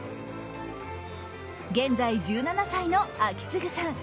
現在１７歳の章胤さん。